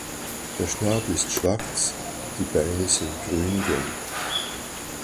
Der Schnabel ist schwarz, die Beine sind grüngelb.